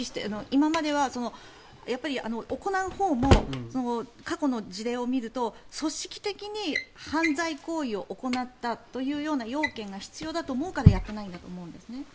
今までは行うほうも過去の事例を見ると、組織的に犯罪行為を行ったというような要件が必要だと思うからやっていないと思うんです。